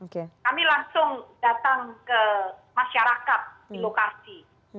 kami langsung datang ke masyarakat di lokasi